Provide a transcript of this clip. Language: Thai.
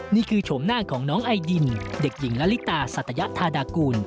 โฉมหน้าของน้องไอดินเด็กหญิงละลิตาสัตยธาดากูล